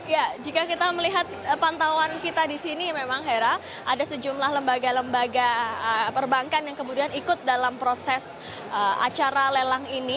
ya jika kita melihat pantauan kita di sini memang hera ada sejumlah lembaga lembaga perbankan yang kemudian ikut dalam proses acara lelang ini